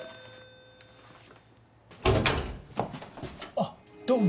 あっどうも。